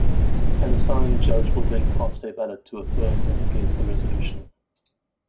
An assigned judge will then cast a ballot to affirm or negate the resolution.